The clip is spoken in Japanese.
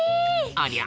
ありゃ。